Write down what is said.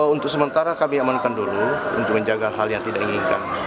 untuk sementara kami amankan dulu untuk menjaga hal yang tidak diinginkan